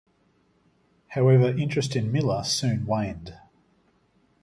However, interest in Miller soon waned.